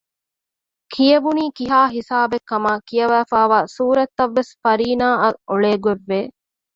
ކިޔެވުނީ ކިހާ ހިސާބެއްކަމާ ކިޔެވިފައިވާ ސޫރަތްތައްވެސް ފަރީނާއަށް އޮޅޭގޮތްވެ